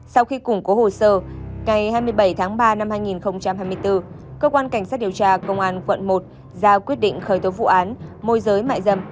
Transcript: sau khi củng cố hồ sơ ngày hai mươi bảy tháng ba năm hai nghìn hai mươi bốn cơ quan cảnh sát điều tra công an quận một ra quyết định khởi tố vụ án môi giới mại dâm